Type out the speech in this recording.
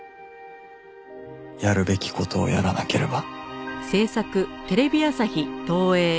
やるべき事をやらなければ